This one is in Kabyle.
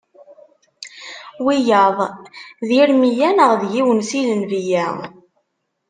Wiyaḍ: d Irmiya, neɣ d yiwen si lenbiya.